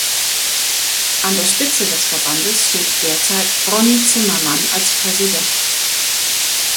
An der Spitze des Verbandes steht derzeit Ronny Zimmermann als Präsident.